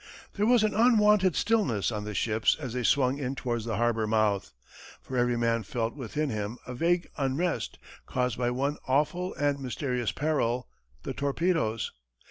There was an unwonted stillness on the ships as they swung in towards the harbor mouth, for every man felt within him a vague unrest caused by one awful and mysterious peril, the torpedoes.